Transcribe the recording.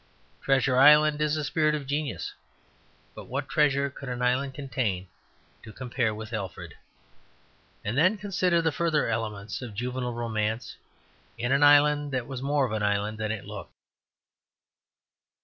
"Treasure Island" is a spirit of genius: but what treasure could an island contain to compare with Alfred? And then consider the further elements of juvenile romance in an island that was more of an island than it looked.